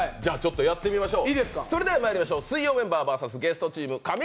やってみましょう！